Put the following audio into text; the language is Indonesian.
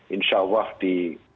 insya allah di